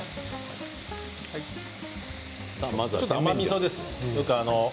ちょっと甘みそですね。